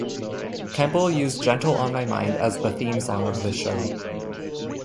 Campbell used "Gentle on My Mind" as the theme song of the show.